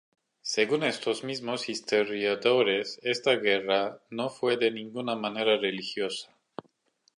Según estos mismos historiadores, esta guerra no fue de ninguna manera religiosa.